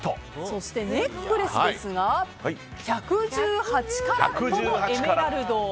そして、ネックレスですが１１８カラットのエメラルド。